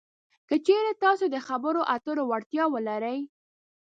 که چېرې تاسې د خبرو اترو وړتیا ولرئ